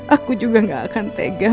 aku juga gak akan tega